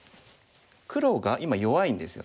黒が今弱いんですよね。